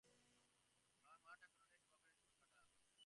আমার মা-ঠাকরুনের সেবা করিয়া জীবন কাটাইব।